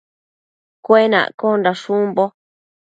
Cuenaccondash umbo